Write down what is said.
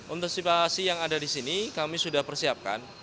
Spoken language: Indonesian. antisipasi yang ada di sini kami sudah persiapkan